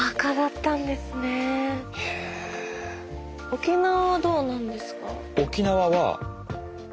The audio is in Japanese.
沖縄はどうなんですか？